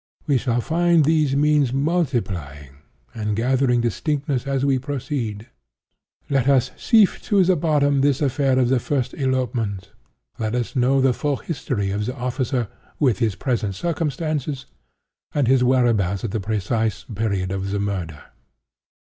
We shall find these means multiplying and gathering distinctness as we proceed. Let us sift to the bottom this affair of the first elopement. Let us know the full history of 'the officer,' with his present circumstances, and his whereabouts at the precise period of the murder.